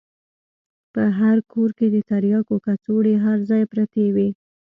په هر کور کښې د ترياکو کڅوړې هر ځاى پرتې وې.